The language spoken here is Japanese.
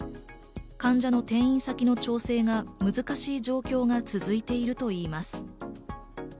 患者の転院先の調整が難しい状況が続いているといいます。